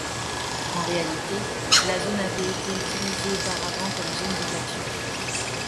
En réalité, la zone avait été utilisée auparavant comme zone de pâture.